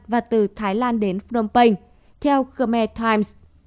và từ thái lan đến phnom penh theo khmer times